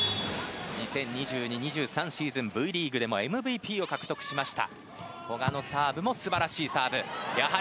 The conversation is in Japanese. ２０２２、２０２３シーズンＶリーグでもＭＶＰを獲得しました。